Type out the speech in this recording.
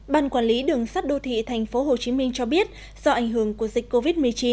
ban quản lý đường sắt đô thị tp hcm cho biết do ảnh hưởng của dịch covid một mươi chín